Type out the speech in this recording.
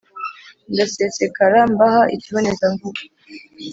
ndasesekara mbaha ikibonezamvugo